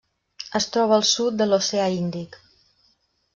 Es troba al sud de l'Oceà Índic.